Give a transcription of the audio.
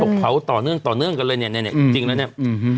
เขาบอกเผาต่อเนื่องกันเลยเนี่ยจริงแล้วเนี่ย